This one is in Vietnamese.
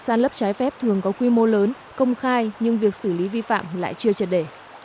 san lấp trái phép thường có quy mô lớn công khai nhưng việc xử lý vi phạm lại chưa triệt để